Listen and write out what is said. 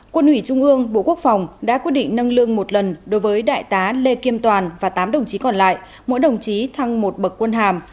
quân ủy trung ương bộ quốc phòng đã quyết định nâng lương một lần đối với đại tá lê kim toàn và tám đồng chí còn lại mỗi đồng chí thăng một bậc quân hàm